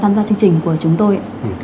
tham gia chương trình của chúng tôi